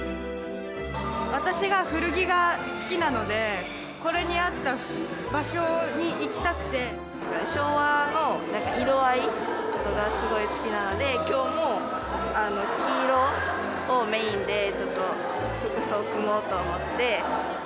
私が古着が好きなので、昭和の色合いとかがすごい好きなので、きょうも黄色をメインで、ちょっと服装を組もうと思って。